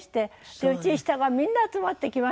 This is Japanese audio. うちに人がみんな集まってきましてね。